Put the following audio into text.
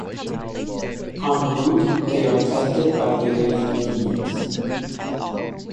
En route, they are tested by various demons.